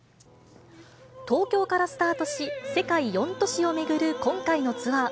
東京からスタートし、世界４都市を巡る今回のツアー。